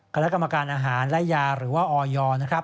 คณะกรรมการอาหารและยาหรือว่าออยนะครับ